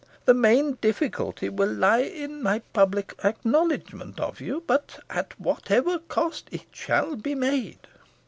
The main difficulty will lie in my public acknowledgment of you. But, at whatever cost, it shall be made."